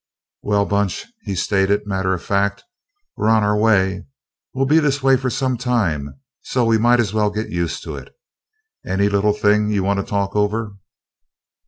"Well, bunch," he stated, matter of fact, "we're on our way. We'll be this way for some time, so we might as well get used to it. Any little thing you want to talk over?"